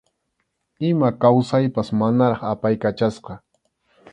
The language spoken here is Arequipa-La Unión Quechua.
Ima kawsaypas manaraq apaykachasqa.